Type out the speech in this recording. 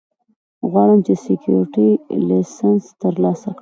غواړم د سیکیورټي لېسنس ترلاسه کړم